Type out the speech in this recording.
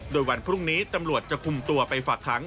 โดยวันพรุ่งนี้ตำรวจจะคุมตัวไปฝากค้าง